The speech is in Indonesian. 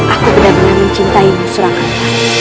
aku benar benar mencintaimu surahan